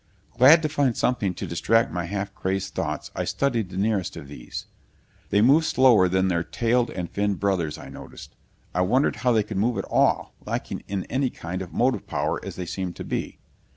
Glad to find something to distract my half crazed thoughts, I studied the nearest of these. They moved slower than their tailed and finned brothers, I noticed. I wondered how they could move at all, lacking in any kind of motive power as they seemed to be.